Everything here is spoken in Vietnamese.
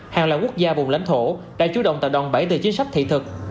hàng loại quốc gia vùng lãnh thổ đã chủ động tạo đòn bảy tờ chính sách thị thực